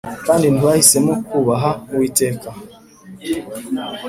Kandi ntibahisemo kubaha Uwiteka